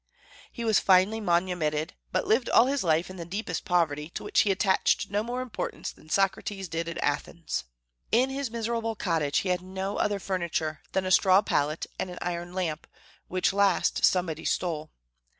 He was finally manumitted, but lived all his life in the deepest poverty, to which he attached no more importance than Socrates did at Athens. In his miserable cottage he had no other furniture than a straw pallet and an iron lamp, which last somebody stole.